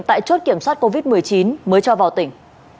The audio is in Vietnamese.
tại chốt kiểm soát covid một mươi chín mới cho vào tỉnh